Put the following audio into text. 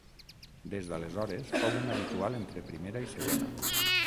Des d'aleshores fou un habitual entre primera i segona.